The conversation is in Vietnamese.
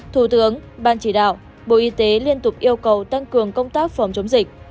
thủ tướng ban chỉ đạo bộ y tế liên tục yêu cầu tăng cường công tác phòng chống dịch